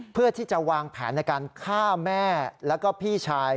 เพื่อที่จะวางแผนในการฆ่าแม่แล้วก็พี่ชาย